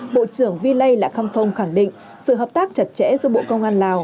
bộ trưởng vi lây lạ khăm phong khẳng định sự hợp tác chặt chẽ giữa bộ công an lào